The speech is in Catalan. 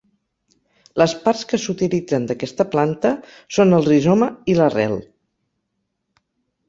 Les parts que s'utilitzen d'aquesta planta són el rizoma i l'arrel.